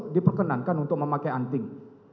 diperkenankan untuk memakai anting